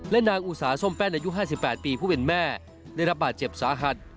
นางอุสาส้มแป้นอายุ๕๘ปีผู้เป็นแม่ได้รับบาดเจ็บสาหัส